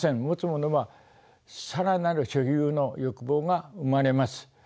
持つものは更なる所有の欲望が生まれます。